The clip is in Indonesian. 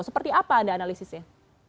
seperti apa anda analisisnya